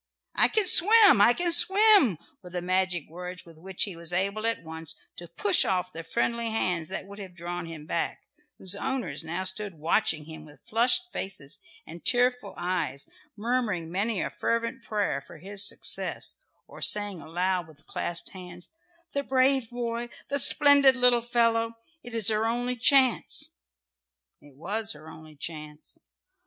"I can swim! I can swim!" were the magic words with which he was able at once to push off the friendly hands that would have drawn him back, whose owners now stood watching him with flushed faces and tearful eyes, murmuring many a fervent prayer for his success, or saying aloud with clasped hands, "The brave boy, the splendid little fellow! It is her only chance!" It was her only chance.